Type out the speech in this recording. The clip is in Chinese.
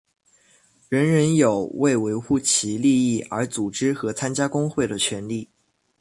人人有为维护其利益而组织和参加工会的权利。